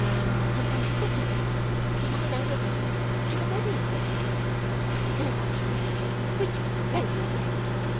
And so she said to me, did I know the way to the burying ground? And I asked her which burying ground.